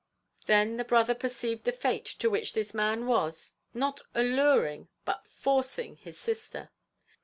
Then the brother perceived the fate to which this man was not alluring but forcing his sister.